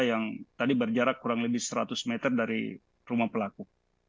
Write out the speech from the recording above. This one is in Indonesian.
yang tadi berjarak kurang lebih seratus meter dari rumah pelaku